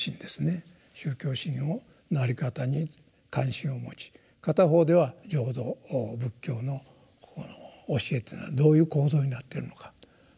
宗教心のあり方に関心を持ち片方では浄土仏教のこの教えというのはどういう構造になっているのかということ。